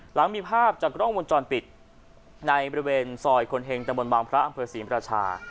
หลังมีภาพจากกล้องวงจรปิดในบริเวณซอยคนเห็งตะบนบางพระอำเภอศรีมราชา